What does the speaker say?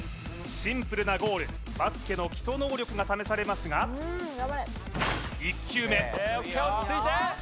シンプルなゴールバスケの基礎能力が試されますが１球目・ＯＫ落ち着いて！